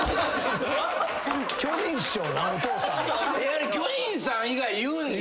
あれ巨人さん以外言うんや。